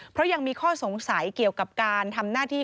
เพราะยังมีข้อสงสัยเกี่ยวกับการทำหน้าที่